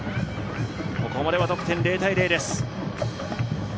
ここまでは得点０−０です。